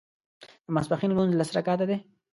د ماسپښين لمونځ لس رکعته دی